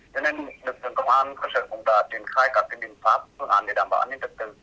cho nên lực lượng công an cơ sở công tạp tuyển khai các biện pháp phương án để đảm bảo an ninh tật tự